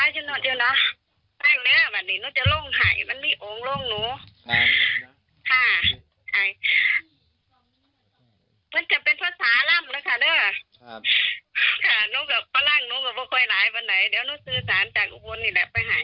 ค่ะน้องแบบพระรังน้องแบบว่าไขว้หลายไปไหนเดี๋ยวน้องสื่อสารจากอุ้นอีกแหละไปหาย